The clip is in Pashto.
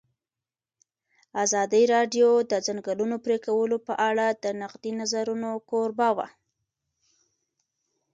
ازادي راډیو د د ځنګلونو پرېکول په اړه د نقدي نظرونو کوربه وه.